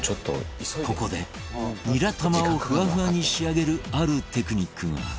ここでニラ玉をふわふわに仕上げるあるテクニックが